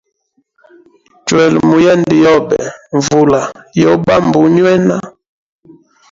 Chwela muyende yobe nvula yo bamba unywena.